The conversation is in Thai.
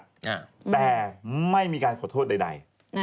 แต่ไม่มีการขอโทษใด